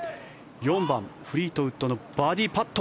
４番、フリートウッドのバーディーパット。